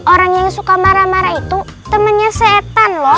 orang yang suka marah marah itu temennya setan loh